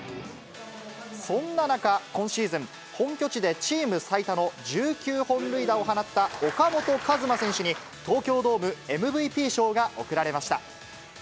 そんな中、今シーズン、本拠地でチーム最多の１９本塁打を放った岡本和真選手に、東京ドームＭＶＰ賞が贈られました。